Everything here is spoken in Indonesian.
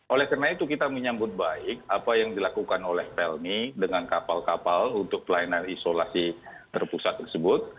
oleh karena itu kita menyambut baik apa yang dilakukan oleh pelni dengan kapal kapal untuk pelayanan isolasi terpusat tersebut